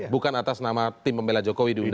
bukan atas nama tim pembela jokowi diundang ya